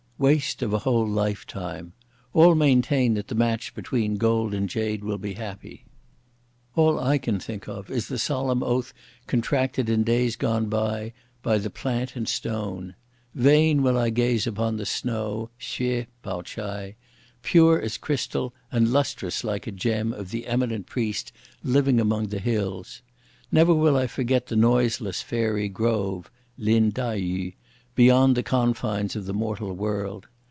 Waste of a whole Lifetime. All maintain that the match between gold and jade will be happy. All I can think of is the solemn oath contracted in days gone by by the plant and stone! Vain will I gaze upon the snow, Hsüeh, [Pao ch'ai], pure as crystal and lustrous like a gem of the eminent priest living among the hills! Never will I forget the noiseless Fairy Grove, Lin [Tai yü], beyond the confines of the mortal world!